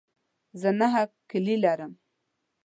زه نهه کیلې لرم.